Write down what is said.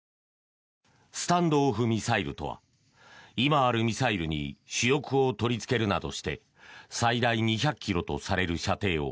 スタンド・オフ・ミサイルとは今あるミサイルに主翼を取りつけるなどして最大２００ｋｍとされる射程を